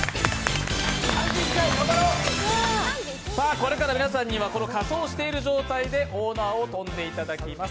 これから皆さんには仮装した状態で大縄を跳んでいただきます。